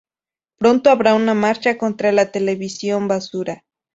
Pronto habrá una marcha contra la televisión basura.